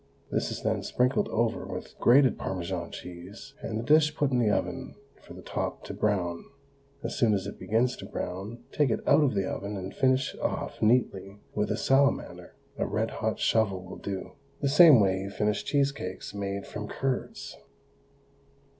This is then sprinkled over with grated Parmesan cheese and the dish put in the oven for the top to brown. As soon as it begins to brown take it out of the oven and finish it off neatly with a salamander (a red hot shovel will do), the same way you finish cheese cakes made from curds.